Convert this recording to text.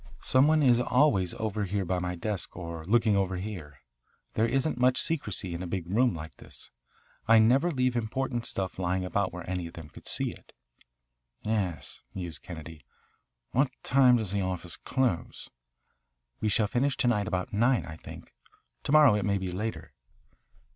Some one is always over here by my desk or looking over here. There isn't much secrecy in a big room like this. I never leave important stuff lying about where any of them could see it. "Yes," mused Kennedy. "What time does the office close?" "We shall finish to night about nine, I think. To morrow it may be later."